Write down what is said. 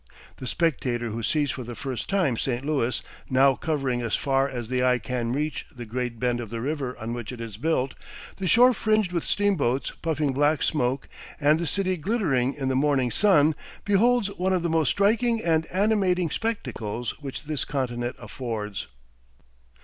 The spectator who sees for the first time St. Louis, now covering as far as the eye can reach the great bend of the river on which it is built, the shore fringed with steamboats puffing black smoke, and the city glittering in the morning sun, beholds one of the most striking and animating spectacles which this continent affords.